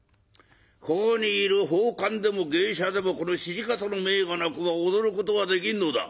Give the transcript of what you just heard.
ここにいる幇間でも芸者でもこの土方の命がなくば踊ることができんのだ。